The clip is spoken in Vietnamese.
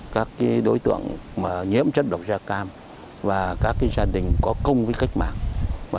các đối tượng nhiễm chất độc da cam và các gia đình có công với cách mạng